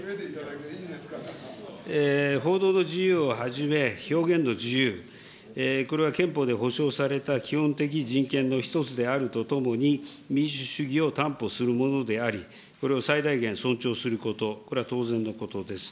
報道の自由をはじめ、表現の自由、これは憲法で保障された基本的人権の一つであるとともに、民主主義を担保するものであり、これを最大限尊重すること、これは当然のことです。